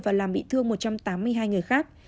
và làm bị thương một trăm tám mươi hai người khác